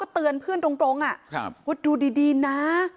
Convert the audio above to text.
เตือนเพื่อนตรงว่าดูดีนะ